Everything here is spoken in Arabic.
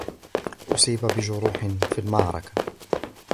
أُصيب بجروح في المعركة.